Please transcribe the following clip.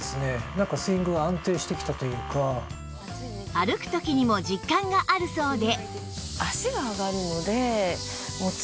歩く時にも実感があるそうで